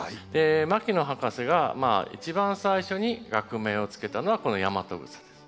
牧野博士が一番最初に学名を付けたのはこのヤマトグサです。